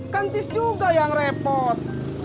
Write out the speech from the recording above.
kan tis juga yang repot